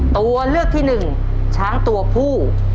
ตัวเลือกที่หนึ่งช้างตัวผู้